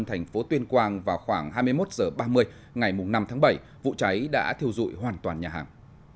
thành phố tuyên quang vào khoảng hai mươi một h ba mươi ngày năm tháng bảy vụ cháy đã thiêu dụi hoàn toàn nhà hàng